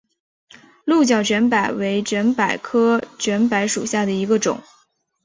鹿角卷柏为卷柏科卷柏属下的一个种。